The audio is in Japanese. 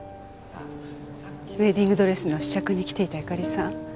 ウエディングドレスの試着に来ていた由香利さん